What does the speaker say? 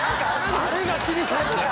あれが知りたいんだよ。